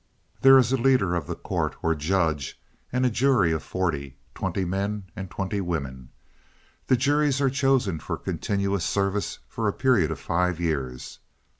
There is a leader of the court, or judge, and a jury of forty twenty men and twenty women. The juries are chosen for continuous service for a period of five years.